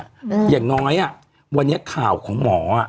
อย่างน้อยวันนี้ข่าวของหมอ